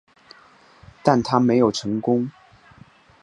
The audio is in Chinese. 但它没有成功。